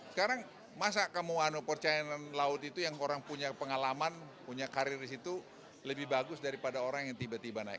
sekarang masa kamu percaya dengan laut itu yang orang punya pengalaman punya karir di situ lebih bagus daripada orang yang tiba tiba naik